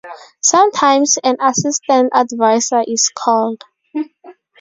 Sometimes an assistant advisor is called.